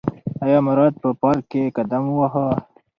ایا مراد په پار ک کې قدم وواهه؟